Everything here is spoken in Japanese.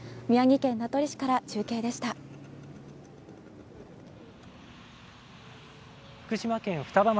宮城県名取市から中継でした。